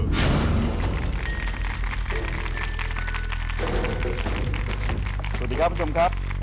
สวัสดีครับคุณผู้ชมครับ